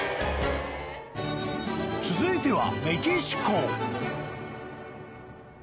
［続いては］